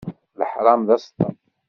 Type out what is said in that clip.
Leḥṛam d aseṭṭaf.